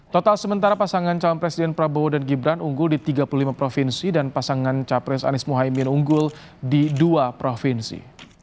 total sementara pasangan calon presiden prabowo dan gibran unggul di tiga puluh lima provinsi dan pasangan capres anies muhaymin unggul di dua provinsi